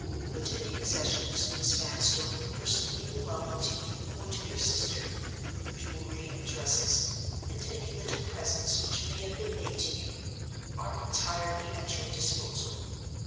But any possessions, Miss Vanstone, personally belonging to you or to your sister—jewelry and dresses, and any little presents which may have been made to you—are entirely at your disposal.